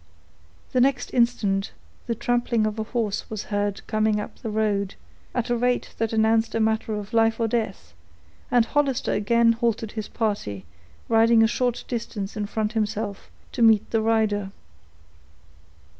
The next instant the trampling of a horse was heard coming up the road, at a rate that announced a matter of life or death; and Hollister again halted his party, riding a short distance in front himself, to meet the rider.